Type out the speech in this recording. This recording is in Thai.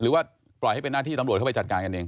หรือว่าปล่อยให้เป็นหน้าที่ตำรวจเข้าไปจัดการกันเอง